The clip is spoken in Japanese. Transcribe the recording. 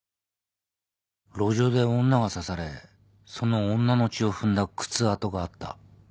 路上で女が刺されその女の血を踏んだ靴跡があった。